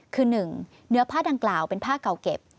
คือ๑เนื้อผ้าดังกล่าวเป็นผ้าเก่าเก็บ